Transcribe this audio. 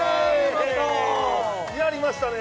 見事やりましたね